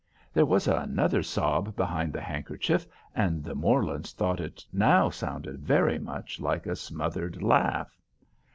There was another sob behind the handkerchief, and the Morlands thought it now sounded very much like a smothered laugh.